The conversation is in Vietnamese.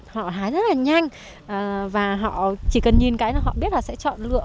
họ hái rất là nhanh và họ chỉ cần nhìn cái là họ biết là sẽ chọn lựa